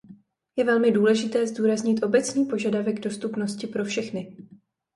Je velmi důležité zdůraznit obecný požadavek dostupnosti pro všechny.